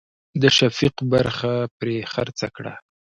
د شفيق برخه ترې خرڅه کړه.